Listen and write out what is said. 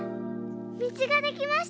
道ができました。